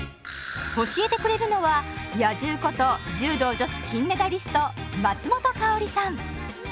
教えてくれるのは「野獣」こと柔道女子金メダリスト松本薫さん。